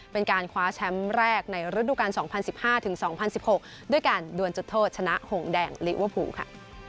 เป็นการคว้าแชมป์แรกในฤดูการ๒๐๑๕๒๐๑๖ด้วยการดวนจุดโทษชนะหงแดงลิเวอร์พูลค่ะ